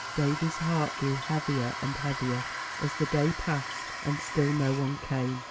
Davy's heart grew heavier and heavier, as the day passed, and still no one came.